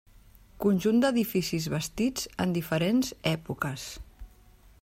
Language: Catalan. Conjunt d'edificis vestits en diferents èpoques.